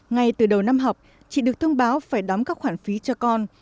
ngay từ đầu năm học chị được thông báo phải đóng các khoản phí cho con